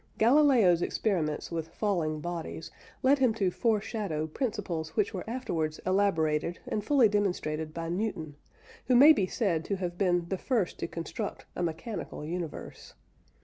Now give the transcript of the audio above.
Galileo's experiments with falling bodies led him to foreshadow principles which were afterwards elaborated and fully demonstrated by Newton, who may be said to have been the first to construct a mechanical universe.